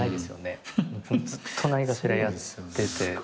ずっと何かしらやってて。